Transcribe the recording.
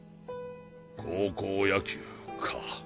高校野球か。